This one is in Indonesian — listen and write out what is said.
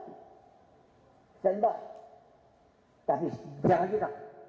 tapi jangan lagi takut